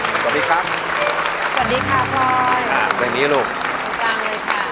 สวัสดีครับสวัสดีค่ะพลอยอ่าอย่างนี้ลูกสุดกลางเลยค่ะ